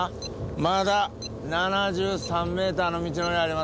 まだ７３ｍの道のりあります。